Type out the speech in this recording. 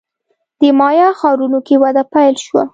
د مایا ښارونو کې وده پیل شوه.